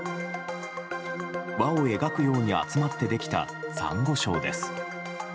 輪を描くように集まってできたサンゴ礁です。